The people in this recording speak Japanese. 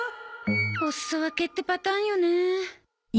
お裾分けってパターンよね。